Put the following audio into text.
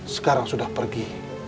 sekarang sudah pergi